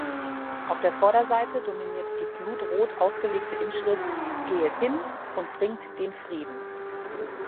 Auf der Vorderseite dominiert die "blutrot" ausgelegte Inschrift „Gehet hin und bringt den Frieden“.